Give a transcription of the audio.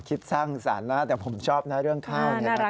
คิดสร้างสารมากแต่ผมชอบเรื่องข้าวนี่นะครับ